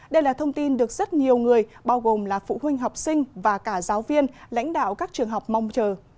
đây là thông tin được rất nhiều người bao gồm là phụ huynh học sinh và cả giáo viên lãnh đạo các trường học mong chờ